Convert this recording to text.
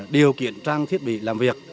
điều kiện trang thiết bị làm việc